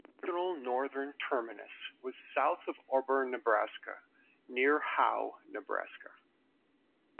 The original northern terminus was south of Auburn, Nebraska, near Howe, Nebraska.